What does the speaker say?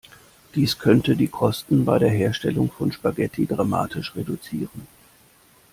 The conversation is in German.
Dies könnte die Kosten bei der Herstellung von Spaghetti dramatisch reduzieren.